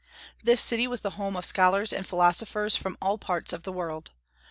This city was the home of scholars and philosophers from all parts of the world.